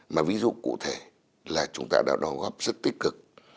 mà ví dụ cụ thể là chúng ta đã đóng góp rất tích cực